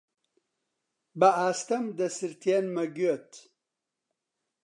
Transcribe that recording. بەئاستەم دەسرتێنمە گوێت: